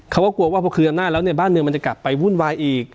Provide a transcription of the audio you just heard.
เขาก็กลัวว่าพอคืนอำนาจแล้วเนี่ยบ้านเมืองมันจะกลับไปวุ่นวายอีก